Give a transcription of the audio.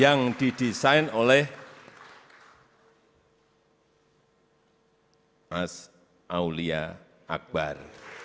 yang didesain oleh mas aulia akbar